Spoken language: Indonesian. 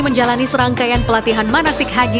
menjalani serangkaian pelatihan manasik haji